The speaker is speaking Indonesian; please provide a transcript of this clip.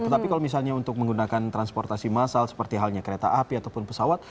tetapi kalau misalnya untuk menggunakan transportasi massal seperti halnya kereta api ataupun pesawat